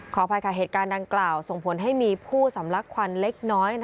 ขออภัยค่ะเหตุการณ์ดังกล่าวส่งผลให้มีผู้สำลักควันเล็กน้อย